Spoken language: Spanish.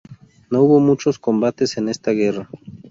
No hubo muchos combates en esta guerra.